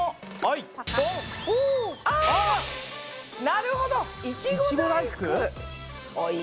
なるほど！